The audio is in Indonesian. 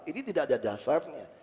ini tidak ada dasarnya